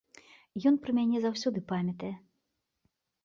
Ён пра мяне заўсёды памятае.